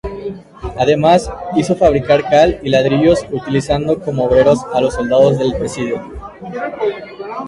Además hizo fabricar cal y ladrillos utilizando como obreros a los soldados del presidio.